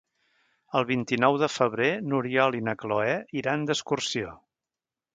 El vint-i-nou de febrer n'Oriol i na Cloè iran d'excursió.